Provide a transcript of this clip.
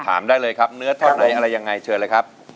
ได้เลยครับเนื้อเท่าไหนอะไรยังไงเชิญเลยครับ